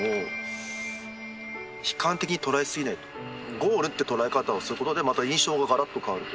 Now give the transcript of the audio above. ゴールって捉え方をすることでまた印象ががらっと変わると。